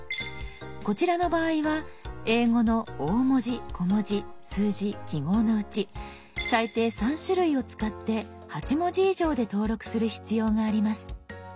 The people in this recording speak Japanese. こちらの場合は英語の大文字小文字数字記号のうち最低３種類を使って８文字以上で登録する必要があります。